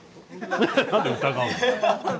何で疑うの？